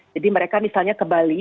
jadi mereka misalnya ke bali